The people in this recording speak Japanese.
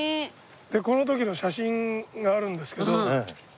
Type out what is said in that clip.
この時の写真があるんですけどいいんですよ。